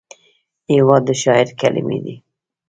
هېواد د شاعر کلمې دي.